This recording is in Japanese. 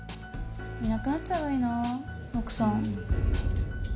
いなくなっちゃえばいいな奥さん。